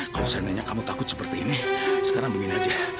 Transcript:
kalau seandainya kamu takut seperti ini sekarang begini aja